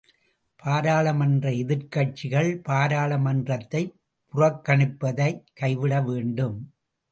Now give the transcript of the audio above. பாராளுமன்ற எதிர்க் கட்சிகள் பாராளுமன்றத்தைப் புறக்கணிப்பதைக் கைவிட வேண்டும்.